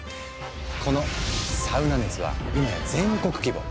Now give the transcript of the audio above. このサウナ熱は今や全国規模。